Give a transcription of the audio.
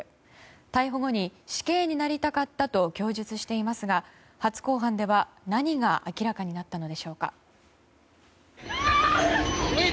逮捕後に、死刑になりたかったと供述していますが初公判では何が明らかになったのでしょうか。